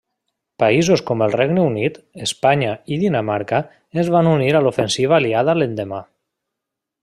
Països com el Regne Unit, Espanya i Dinamarca es van unir a l'ofensiva aliada l'endemà.